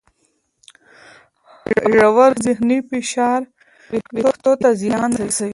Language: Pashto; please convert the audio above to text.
ژور ذهني فشار وېښتو ته زیان رسوي.